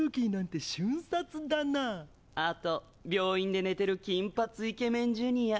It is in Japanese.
あと病院で寝てる金髪イケメンジュニア。